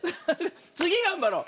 つぎがんばろう！